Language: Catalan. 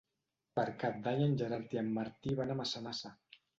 Per Cap d'Any en Gerard i en Martí van a Massanassa.